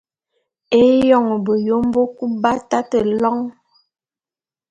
Éyoň beyom bekub b’atate lôň.